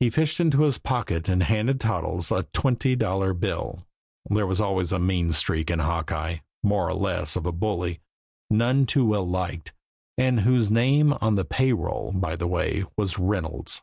He fished into his pocket and handed Toddles a twenty dollar bill there always was a mean streak in Hawkeye, more or less of a bully, none too well liked, and whose name on the pay roll, by the way, was Reynolds.